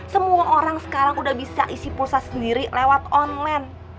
semua orang sekarang udah bisa isi pulsa sendiri lewat online